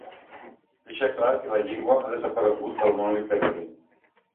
Deixa clar que la llengua ha desaparegut del món literari.